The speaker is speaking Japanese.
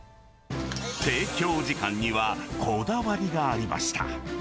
提供時間にはこだわりがありました。